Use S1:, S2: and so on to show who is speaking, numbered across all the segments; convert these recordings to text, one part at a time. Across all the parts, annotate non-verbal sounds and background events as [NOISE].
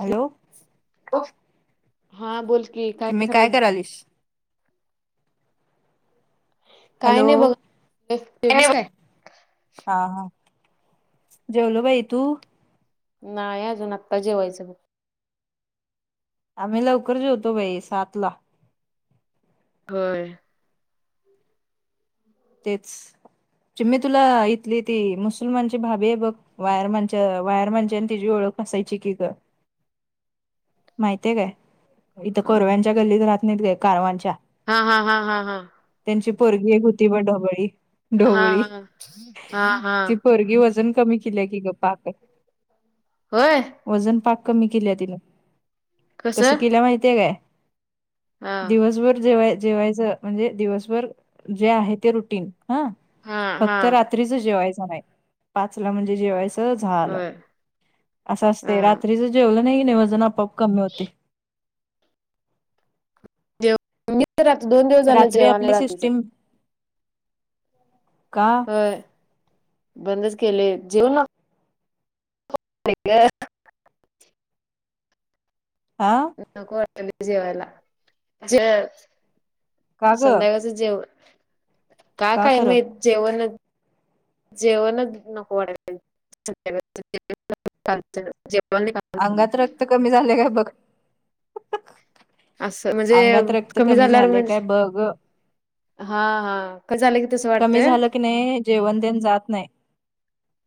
S1: Hello.
S2: हा बोलकी काय
S1: चिमे
S2: खर.
S1: करायलीस
S2: काय
S1: हॅलो.
S2: नाही बघ जेवलीस काय?
S1: हा हा जेवलो भाई तू
S2: नाहीय अजून आत्ता जेवायचं बुक
S1: आम्ही लवकर जेवतो बाई सात ला
S2: होय.
S1: तेच जे मी तुला इथली ती मुसलमानची भाभी आहे बघ. वायर माणच्या वायर माणच्याने तिची ओळख असायची की ग. माहितय काय इथं कोरव्यांच्या गल्लीत राहात नाहीत काय कारवांच्या
S2: हा हा हा हा हा.
S1: त्यांची पोरगी एक होती ब ोबळी.
S2: हा
S1: ढोवळी
S2: हा हा हा हा
S1: ती परगी वजन कमी केली की ग पाक.
S2: होय.
S1: वजन पाक कमी केली तिने कसं केल्या माहितीय काय?
S2: हा
S1: दिवसभर जेवाय जेवायच म्हणजे दिवसभर जे आहे ते रुटीन हा.
S2: हा हा
S1: फक्त रात्रीच जेवायच नाही पाचला म्हणजे जेवायचं. झालं
S2: होय
S1: असं
S2: हा
S1: असते रात्रीच जेवलं नाही नाही वजन आपआप कमी होते.
S2: जेव मी तर र दोन दिवस झालं
S1: रात्री
S2: जेवा आणि
S1: आपली
S2: रात्रीच
S1: सिस्टीम का?
S2: बंदच केले जेव. [UNINTELLIGIBLE]
S1: आ.
S2: नळ जवला.
S1: का ग
S2: संध्याकाळचं जेवण का काय माहत. जेवण जेवण नको वाडे. [UNINTELLIGIBLE]
S1: अंगात रक्त कमी झाले काय बघ.
S2: असं म्हणजे
S1: अंगात रक्त
S2: कमी झाल्यावर
S1: झाले काय
S2: म्हणजे
S1: बघ
S2: हा हा कं झालं की तसं वाटत
S1: क झालं की नाही जेवण दे जात नाही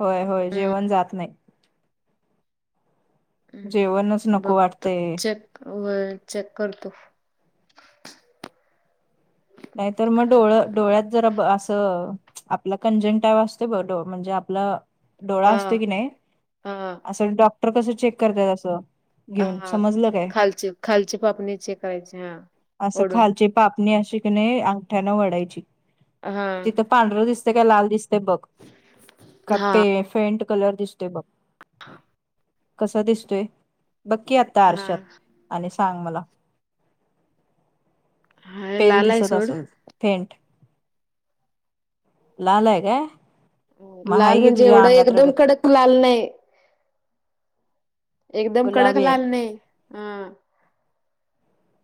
S1: होय होय
S2: हम्म
S1: जेवण जात नाही. जेवणच
S2: हम्म
S1: नको
S2: बघतो
S1: वाटते.
S2: चेक व चेक करतो.
S1: नाहीतर मग डोळ डोळ्यात जरा असं. आपला कंजंटा वा असते बल म्हणजे आपलं. डोळा
S2: हा
S1: असतो की नाही
S2: हा
S1: असं डॉक्टर कसं चेक करतय असं. घेऊन
S2: हा
S1: समजलं काय
S2: खालची खालची पापणी चेक करायची हा
S1: असं
S2: ओढून
S1: खालचे पाप पत्नी अिकने अंगठ्याना वढायची.
S2: हा.
S1: पांढरं दिसते काय लाल दिसते बघ का पे फेंट कलर दिसते बघ.
S2: ह हा.
S1: कस दिसतोय बघकी आता
S2: हा
S1: आरशात आणि सांग मला
S2: हा
S1: पेल
S2: लाल आहे
S1: दिसत
S2: सोड
S1: असेल फेंट लाल आहे काय? मग
S2: लाल
S1: हाय घे
S2: म्हणजे
S1: तुझ्या
S2: एवढा
S1: अंगात
S2: एकदम
S1: रगत
S2: कडक लाल नाही. एकदम कडक
S1: गुलाबी आहे
S2: लाल नाही अह.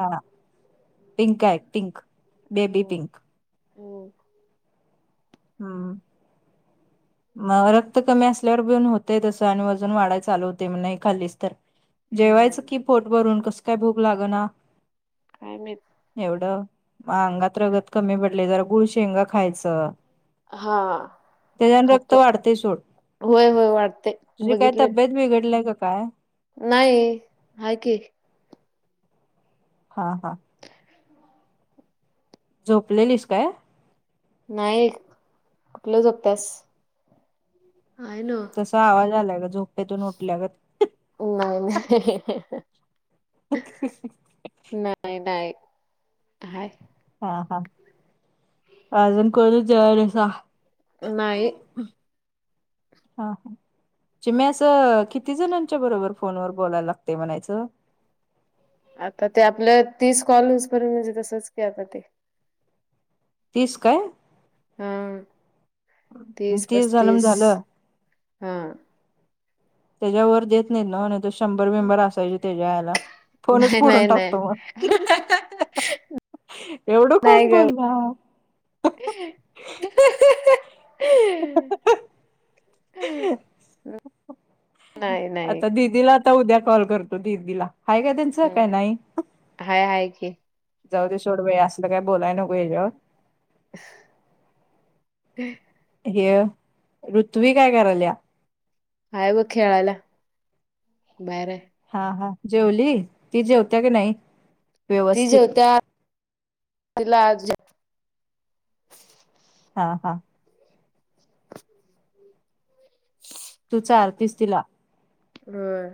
S1: हा पिंक आहे पिंक बेबी पिंक
S2: होम.
S1: हा. म रक्त कमी असल्यावर बेऊन होते तसं आणि अजून वाढा चालू होते म्ह नाही खाल्लीच तर जेवायचं
S2: हम्म.
S1: की पोट भरून कस काय भूक लागना.
S2: काय महित.
S1: एवढं अंगात रगत कमी पडले जरा गुळ शेंगा खायचं.
S2: हा.
S1: त्याच्यान रक्त
S2: खातो.
S1: वाढते सोड
S2: होय होय वाढते
S1: तुझी काय
S2: बघितले.
S1: तब्येत बिघडलाय का काय
S2: नाही आहे की
S1: हा हा. झोपलेलीस काय?
S2: नाही कुठलं झोपत्यास. I know.
S1: तसा आवाज आलाय ग झोपेतून उठल्या गत.
S2: नाही नाही, नाही. नाही नाही, हाय.
S1: हा हा, अजून कोणी जेवाय नाहीसा.
S2: नाही.
S1: हा हा. चीमे असं किती जणांच्या बरोबर फोन व बोलायला लागते म्हणायचं?
S2: आता ते आपल्या तीस कॉल होऊस पर्यंत म्हणजे तसच की आता ते.
S1: तीस काय.
S2: हा तीस,
S1: झालं
S2: पस्तीस
S1: झालं
S2: हा.
S1: त्याच्यावर देत नाहीत नाहीतर शंभर बिंबर असायचे त्याच्या [INAUDIBLE] फोनच
S2: नाही
S1: पुढून
S2: नाही नाही.
S1: टाकतो मग, एवढं
S2: नाही
S1: कोण
S2: ग.
S1: बोलणार. [INAUDIBLE]
S2: नाही नाही
S1: आता दिदीला. आता उद्या कॉल करतो दीदीला हाय का त्यांचं काही
S2: हम्म
S1: नाही.
S2: हाय हाय की.
S1: जाऊदे सोड बया असं काय बोलायला नकोय याच्यावर.
S2: [INAUDIBLE]
S1: हे ऋत्वी काय करायल्या.
S2: आहेय बघ खेळायला बाहेर आहे.
S1: हा हा जेवली ती जेवत्या की नाही.
S2: ती
S1: व्यवस्थित
S2: जेवत्या तिला अज
S1: हा हा.
S2: [INAUDIBLE] [INAUDIBLE]
S1: तू चारतीस तिला.
S2: होय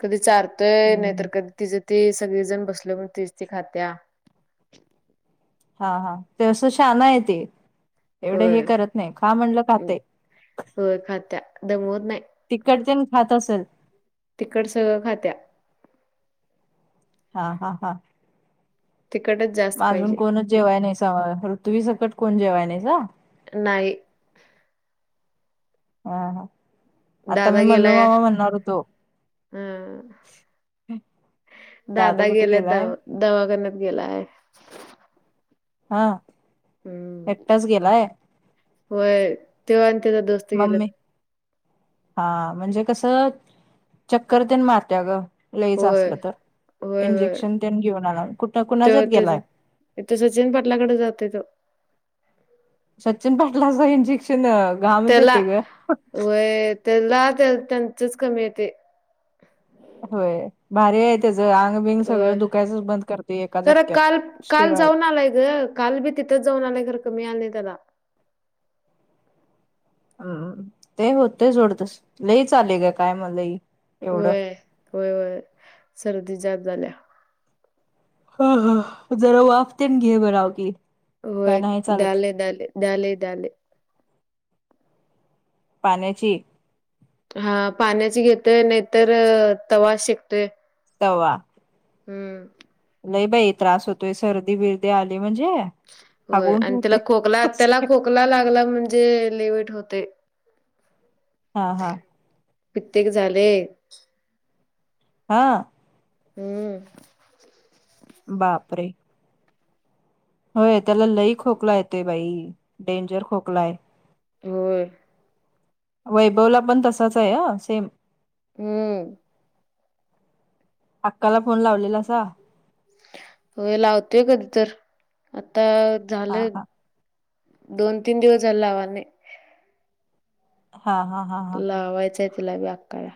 S2: कधी चारतोय नाहीतर कधी तिज ते सगळे जण बसलो म्हण तीच ती खात्या.
S1: हा हा ते असं छान आहे ते. एवढं हे
S2: होय.
S1: करत नाही खा म्हणलं खातय.
S2: होय खात्या दमवत नाही
S1: तिखट तेन खात असेल.
S2: तिखट सगळं खात्या.
S1: हा हा हा.
S2: तिखटच जा
S1: अजून कोणच जेवाय नाही सामग ऋतवी सकट कोन जेवाय नाहीसा.
S2: नाही.
S1: हा हा. आता मी
S2: दादा गेलाय
S1: मल्लूमामा म्हणणार होतो.
S2: अ दादा
S1: कुठे
S2: गेल्यात द
S1: गेलाय
S2: दवाखान्यात गेलाय.
S1: हा
S2: हम्म
S1: एकटाच गेलाय.
S2: होय तो आणि त्याचा दोस्त गेल्यात
S1: मम्मी हा म्हणजे कसं चक्कर तेन मारत्या ग. लईच
S2: होय
S1: असलं तर
S2: होय होय
S1: इंजेक्शन त्यांनी घेऊन आला कुठ कुणाच्याच गेलाय.
S2: इथं सचिन पाटलाकडे जातो, तो
S1: सचिन पाटलाचं इंजेक्शन घामच,
S2: त्याला
S1: येते ग.
S2: व्हय त्याला त्यांचेच कमी येतेय.
S1: होय. भारी आहे त्याच आंग बिंग सगळं
S2: व्हय
S1: दुखयचंच बंद करते एका झटक्यात स्टिरॉइड.
S2: कमालय, ग. काल बी तिथंच जाऊन आलय, घर कमी आलं त्याला
S1: हम्म ते होते जोडतस लई आले का काय का मलई
S2: वय होय होय सर्दी झाक, झाल्या.
S1: ह ह जरा वाफतेन घे बरा की काय
S2: होय,
S1: नाही चालत
S2: दाले, दाले, डाले डाले.
S1: पाण्याची
S2: हा पाण्याची घेतोय नाहीतर तवा शेकतोय.
S1: तवा.
S2: हम.
S1: नाही बाई त्रास होतोय सर्दी बिरदी आली म्हणजे
S2: होय
S1: हागवून
S2: आणि त्याला
S1: ठेवते
S2: खोकला त्याला खोकला लागला म्हणजे लेवट होतेय.
S1: हा हा.
S2: पित्यक झाले.
S1: हा.
S2: हम्म.
S1: बापरे. होय त्याला लई खोकला येतोय बाई डेंजर खोकलाय.
S2: हो.
S1: वैभव ला पण तसाच आहे ह सेम.
S2: हम्.
S1: अक्काला फोन लावलेला अस.
S2: हो लावतोय कधी तर आता
S1: हा
S2: झालं.
S1: हा
S2: दोन तीन दिवस झाला हवाने
S1: हा हा. हा हा
S2: लावायचंय तिला व्या करा.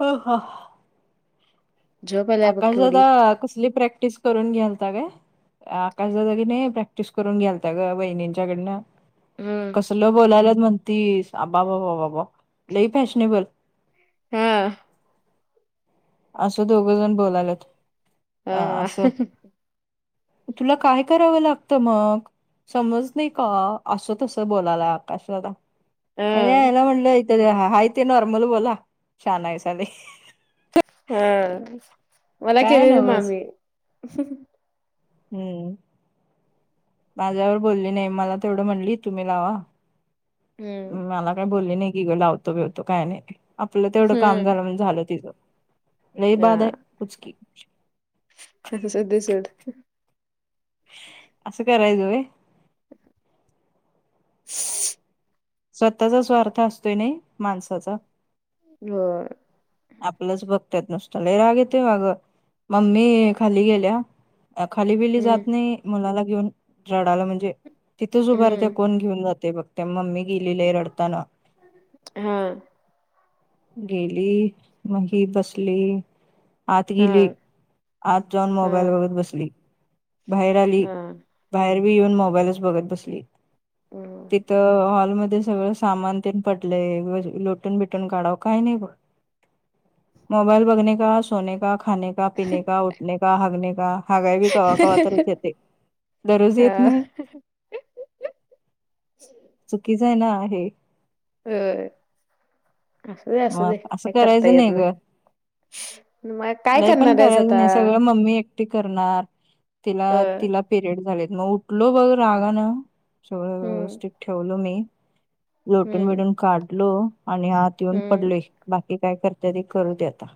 S1: हो हो.
S2: झोप आलाय बघ केवढी.
S1: आकाशदा कसली प्रॅक्टिस करून गेलता काय, आकाश जागी नाही प्रॅक्टिस करून गेलता ग बहिणींच्या कडनं
S2: हम्म
S1: कसलं बोलायला म्हणतीसबा बाबा बाबा लई फॅशनेबल
S2: हा.
S1: असं दोघं जण बोलालात अ
S2: हा
S1: असं. तुला काय करावं लागतं मग समज नाही का असं तसं बोलायला आकाशलादा अे
S2: हा
S1: याला म्हणलंथ हय ते नॉर्मल बोला छान आहे साले.
S2: हा मला
S1: काय
S2: केलेली
S1: नव्हच
S2: मामी
S1: हम्म माझ्यावर बोलली नाही मला तेवढं म्हणली तुम्ही लावा.
S2: हम्म
S1: मला काय बोलले नाही कि ग लावतो बेवतो काय नाही. आपलं तेवढं काम
S2: हम्म
S1: झालं म्हणज झालं तिचं म्ह ह बाद आहे कुचकी
S2: हा सध सोड.
S1: असस करायव.
S2: [UNINTELLIGIBLE]
S1: स्वतःचा स्वार्थ असतोय नाही माणसाचा
S2: हो
S1: आपलंच बघतायत नुसत ल राग येते बाग मम्मी खाली गेल्या. अ खाली बेली
S2: हम्म
S1: जात नाही मुलाला घेऊन झाडाला म्हणजे तिथेच उभारत
S2: हम्म
S1: कोण घेऊन जात. ते बघते मम्मी गेलेले आहे रडताना.
S2: हा
S1: गेली मही बसली. आत
S2: हा
S1: गेली आत जाऊन
S2: हा
S1: मोबाईल बघत बसली. बाहेर आली
S2: हा
S1: बाहेर बी येऊन मोबाईलच बघत बसली.
S2: हम्म
S1: तिथं हॉलमध्ये सगळं सामान तन पटलेय लोटून बिटून काढावं काही नाही ब मोबाईल बघने का सोने का खाने का पिने का उठने का हागने का हगावी कवाक व तरच येते दररोज येत
S2: हा
S1: नाही. चुकीच आहे ना आहे.
S2: अ अस दे असं
S1: मग
S2: दे का करता
S1: करायचं
S2: येत नाही.
S1: ग
S2: मग काय
S1: लय पण
S2: करणार आहेच
S1: करायचं
S2: आता
S1: नाही सगळं मम्मी एकटी करणार तिला
S2: अ
S1: तिला पिरियड झालेत मग उठलो बघ रागा ना. सगळं
S2: हम्म
S1: व्यवस्थित ठेवलो मी लोटून
S2: हम्म
S1: बिटून काढलो आणि हात येऊन.
S2: हम्म
S1: पडलोय बाकी काय करते त करू दे आता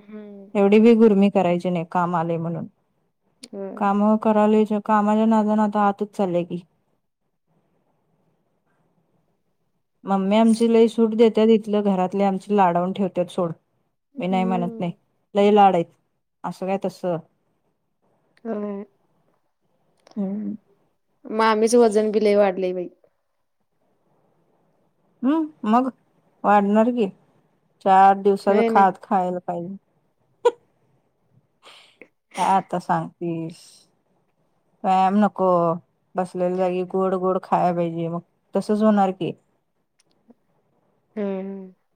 S2: हम्म
S1: एवढी बी गुर्मी करायची नाही. काम आले म्हणून
S2: होय
S1: काम कराला कामाला ना नाता आतच चाललेय की मम्मी आमची लई सूट देतात इथलं घरातले आमचे लाडावून ठेवतात सोड. मी नाही म्हणत नाही
S2: हम्म
S1: लईलाडायत असं काय तस.
S2: अ
S1: हम्म
S2: मग आममीच वजन बिलेही वाढले बाई
S1: हम् मग वाढणार की चार दिवसाचं
S2: होय ना
S1: खात खायला पाहिजे. आ आता सांगतेस व्याम नको. बसलेले जागी गोड गोड खायला पाहिजे मग तसच होणार की
S2: हम्म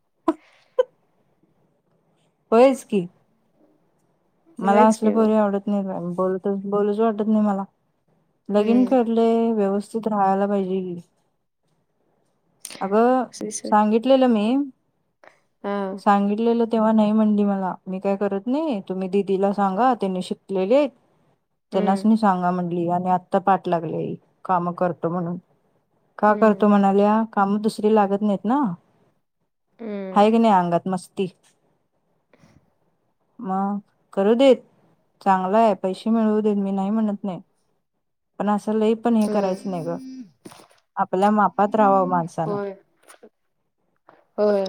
S1: होच की मला
S2: होयच
S1: असल्या
S2: की मग
S1: पोरी आवडत नाही बोलत बोलूच वाटत नाही मला, लगीन
S2: हम्म
S1: कर. कुठ व्यवस्थित राहायला पाहिजे की अगं
S2: श्रीश्वर.
S1: सांगितलेलं मी
S2: हा
S1: सांगितलेलं. तेव्हा नाही म्हणली मला मी काय करत नाही तुम्ही दिदीला सांगा त्यांनी शिकलेले. त्यांनाच
S2: हम्म
S1: न सांगा म्हणली आणि आता पाठ लागले काम करतो म्हणून का करतो
S2: हम्म
S1: म्हणाल्या कामं दुसरी लागत नाहीत ना
S2: हम्म
S1: हैगने आंगत मस्ती मग करू देत चांगला आहे पैसे मिळवू देत मी नाही म्हणत नाही. पण असं लई पण हे
S2: होय
S1: करायचं नाही ग आपल्या मापात राहावां माझं.
S2: होय होय.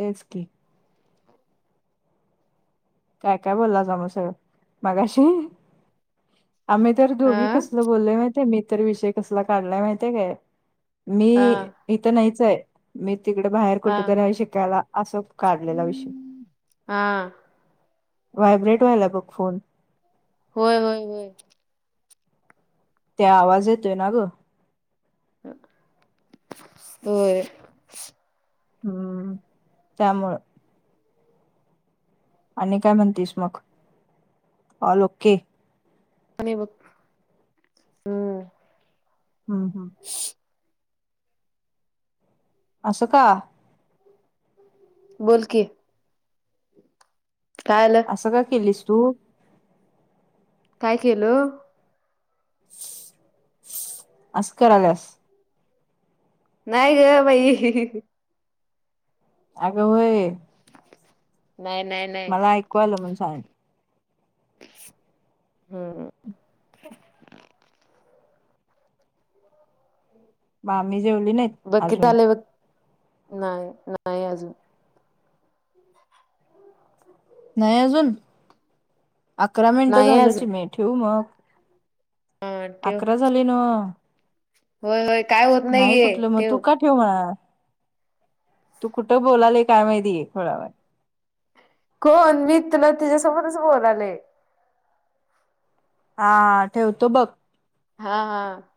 S1: देस की काय काय बोलला जा म सर मागाशी आम्ही तर
S2: हा
S1: दोघी कसल बोललेय माहितय मीत तरर विषय कसला काढलाय माहिितय काय मी
S2: हा
S1: इथं नाहीच आहे. मी तिकडे बाहेर
S2: हा
S1: कुठेतरी शिकायला असं काढलेला विषय
S2: हा
S1: व्हायब्रेट व्हायला बघ फोन
S2: होय होय होय.
S1: ते आवाज येतोय ना ग
S2: होय.
S1: हम्म त्यामुळ आणि काय म्हणतीस मग ल ओके
S2: आणि व
S1: हम् हम् असं का
S2: बोल की काय आलं
S1: असं का केलीस तू
S2: काय केलो
S1: असं का करायल्यास
S2: नाही ग बाई
S1: अग व्हय
S2: नाही, नाही नाही
S1: मला ऐकूय आलं म्हण सांग
S2: ह, ह
S1: अचछ मामी जेवली नाहीत
S2: बघकीिथ
S1: अजून.
S2: आलेय बघ नाही, नाही अजून ह
S1: नाही अजून अकरा मिनटं
S2: नाही
S1: झाल
S2: अजून
S1: चिमे ठेवू मग
S2: हा ठेव
S1: अकरा झाले नव्ह
S2: होय, होय काय होत नाही गे ठेव
S1: ठिव बाळा तू कुठ बोलाले काय माहितीय खुल्यावाणी
S2: कोण मी तुला तिच्या्यासमोरच बोलालय
S1: हा ठेवतो बघ
S2: हा, हा